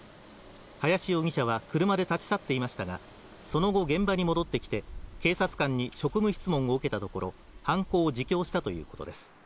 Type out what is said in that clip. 林容疑者は車で立ち去っていましたが、その後現場に戻ってきて警察官に職務質問を受けたところ、犯行を自供したということです。